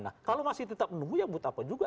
nah kalau masih tetap menunggu ya buat apa juga